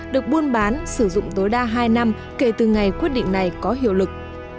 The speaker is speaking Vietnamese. được buôn bán sử dụng tối đa hai năm kể từ ngày quyết định này có hiệu lực